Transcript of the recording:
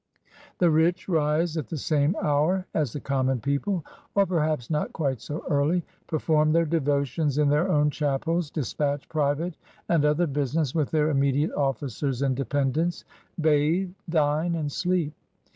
The rich rise at the same hour as the common people, or perhaps not quite so early ; perform their devotions in their own chapels; dispatch private and other business 172 INDIAN CUSTOMS AND MANNERS IN 1840 with their immediate officers and dependents; bathe, dine, and sleep.